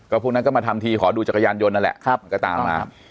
พวกนั้นก็มาทำทีขอดูจักรยานยนต์นั่นแหละมันก็ตามมา